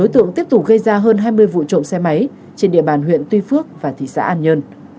trong vụ trộm xe máy trên địa bàn huyện tuy phước và thị xã an nhân